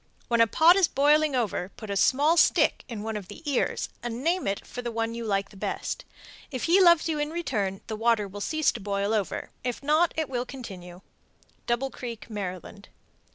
When a pot is boiling over, put a small stick in one of the ears and name it for the one you like best. If he loves you in return, the water will cease to boil over; if not, it will continue. _Double Creek, Md.